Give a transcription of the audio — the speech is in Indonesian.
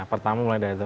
pertama mulai dari itu